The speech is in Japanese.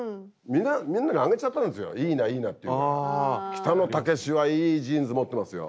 北野武はいいジーンズ持ってますよ。